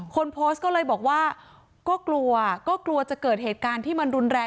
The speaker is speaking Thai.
คนโพสต์ก็เลยบอกว่าก็กลัวก็กลัวจะเกิดเหตุการณ์ที่มันรุนแรง